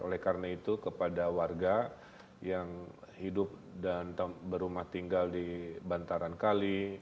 oleh karena itu kepada warga yang hidup dan berumah tinggal di bantaran kali